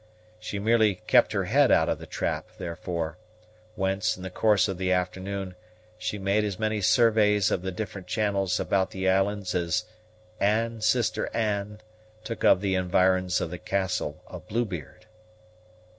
She merely kept her head out of the trap, therefore, whence, in the course of the afternoon, she made as many surveys of the different channels about the island as "Anne, sister Anne," took of the environs of the castle of Blue Beard.